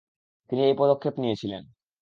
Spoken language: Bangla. তিনি এই পদক্ষেপ নিয়েছিলেন।